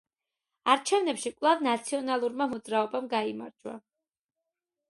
არჩევნებში კვლავ „ნაციონალურმა მოძრაობამ“ გაიმარჯვა.